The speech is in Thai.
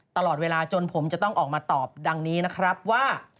ตลอดเวลาจนผมจะต้องออกมาตอบดังนี้นะครับว่า